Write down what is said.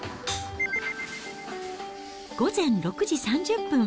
午前６時３０分。